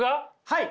はい。